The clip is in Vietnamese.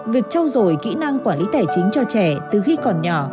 việc trau dổi kỹ năng quản lý tài chính cho trẻ từ khi còn nhỏ